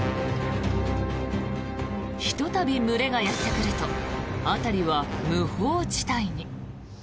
ひとたび群れがやってくると辺りは無法地帯に。